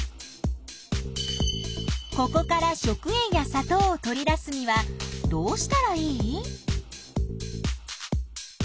ここから食塩やさとうを取り出すにはどうしたらいい？